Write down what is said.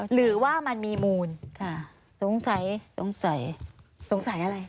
หรือว่ามันมีมูลค่ะสงสัยสงสัยอะไร